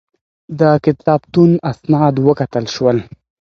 د کتابتون اسناد وکتل شول.